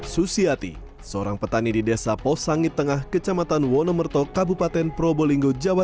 susiati seorang petani di desa posangit tengah kecamatan wonomerto kabupaten probolinggo jawa